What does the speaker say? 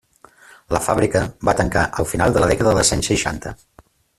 La fàbrica va tancar al final de la dècada dels anys seixanta.